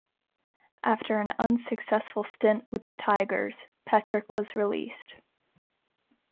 After an unsuccessful stint with the Tigers, Petrick was released.